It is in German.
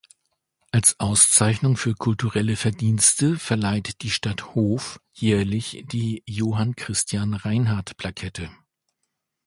Als Auszeichnung für kulturelle Verdienste verleiht die Stadt Hof jährlich die Johann-Christian-Reinhart-Plakette.